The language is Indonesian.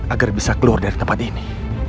agar bisa keluar dari tempat ini